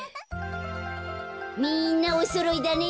みんなおそろいだね。